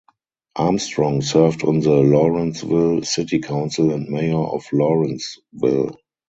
Armstrong served on the Lawrenceville City Council and mayor of Lawrenceville.